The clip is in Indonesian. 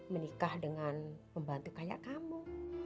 menikah dengan pembantu kayak kamu